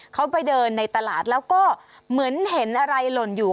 เขาไปเดินในตลาดแล้วก็เหมือนเห็นอะไรหล่นอยู่